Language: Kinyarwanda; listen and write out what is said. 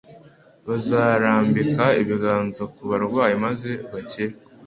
bazarambika ibiganza ku barwayi maze bakire.'»